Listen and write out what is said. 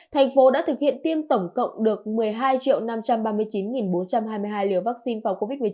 thành phố đã thực hiện tiêm tổng cộng được một mươi hai năm trăm ba mươi chín bốn trăm hai mươi hai liều vaccine phòng covid một mươi chín